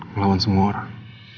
melawan semua orang